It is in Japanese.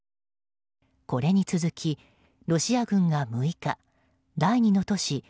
これに続きロシア軍が６日第２の都市